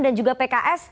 dan juga pks